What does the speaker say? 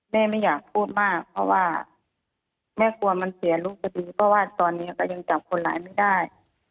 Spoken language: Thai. แม่ไม่อยากพูดมากเพราะว่าแม่กลัวมันเสียลูกจะดีเพราะว่าตอนนี้ก็ยังจับคนร้ายไม่ได้